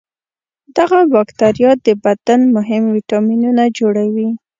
دغه بکتریا د بدن مهم ویتامینونه جوړوي.